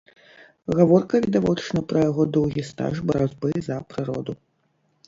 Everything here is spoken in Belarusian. Гаворка, відавочна пра яго доўгі стаж барацьбы за прыроду.